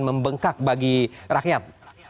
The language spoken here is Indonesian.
membengkak bagi rakyat